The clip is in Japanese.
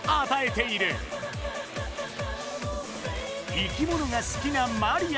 生きものがすきなマリア。